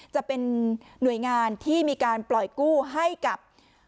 จะเป็นหน่วยงานที่มีการปล่อยกู้ให้กับ